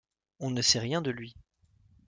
On ne sait rien de lui.